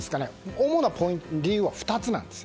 主な理由は２つあるんです。